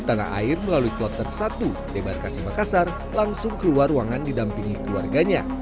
tanah air melalui kloter satu debarkasi makassar langsung keluar ruangan didampingi keluarganya